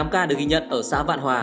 tám ca được ghi nhận ở xã vạn hòa